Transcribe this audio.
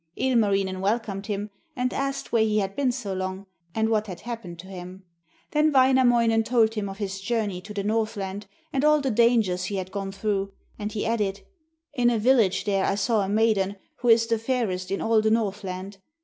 Ilmarinen welcomed him and asked where he had been so long, and what had happened to him. Then Wainamoinen told him of his journey to the Northland, and all the dangers he had gone through, and he added: 'In a village there I saw a maiden, who is the fairest in all the Northland.